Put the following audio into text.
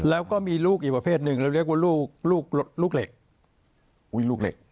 แล้วก็มีรูปอีกว่าเพจนึงเรียกว่าลูกเหล็ก